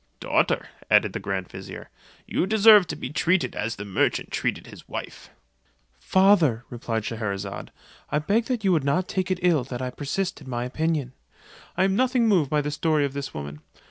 "Daughter," added the grand vizier, "you deserve to be treated as the merchant treated his wife." "Father," replied Scheherazade, "I beg you would not take it ill that I persist in my opinion. I am nothing moved by the story of this woman.